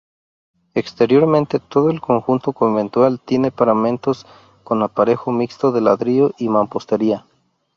Exteriormente, todo el conjunto conventual, tiene paramentos con aparejo mixto de ladrillo y mampostería.